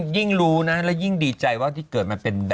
ยิ่งรู้นะแล้วยิ่งดีใจว่าที่เกิดมาเป็น